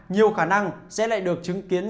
nhiều khả năng sẽ lại được chứng kiến